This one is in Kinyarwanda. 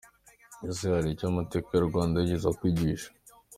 Ese haricyo amateka y’u Rwanda yigeze akwigisha?